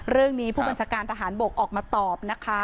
เรื่องนี้ผู้บัญชาการทหารโบกออกมาตอบนะคะ